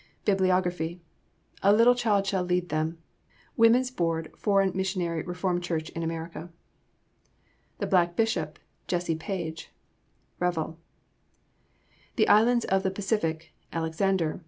BIBLIOGRAPHY A Little Child Shall Lead Them. Wom. Bd. For. Miss. Ref. Ch. in Am. The Black Bishop, Jesse Page. (Revell.) The Islands of the Pacific, Alexander.